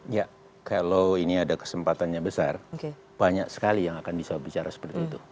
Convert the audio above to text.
ya kalau ini ada kesempatannya besar banyak sekali yang akan bisa bicara seperti itu